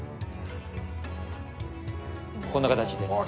こんな形で。